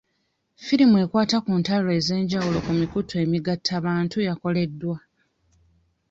Firimu ekwata ku ntalo ez'enjawulo ku mikutu emigattabantu yakoleddwa.